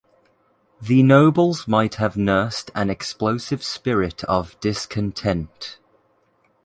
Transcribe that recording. The nobles might have nursed an explosive spirit of discontent.